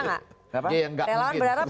maunya banyak kan yang bilang waktu numero lain